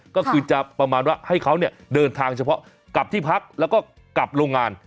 ก็คือจะประมาณว่าให้เขาเนี่ยเดินทางเฉพาะกลับที่พักแล้วก็กลับโรงงาน